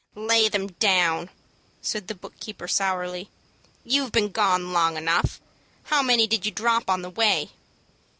"Lay them down," said the book keeper, sourly. "You've been gone long enough. How many did you drop on the way?"